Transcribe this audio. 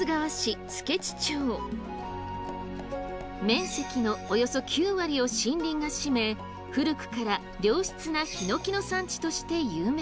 面積のおよそ９割を森林が占め古くから良質なヒノキの産地として有名です。